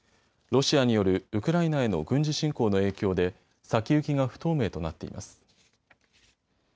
ロシアによるウクライナへの軍事侵攻の影響で先行きが不透明となっています。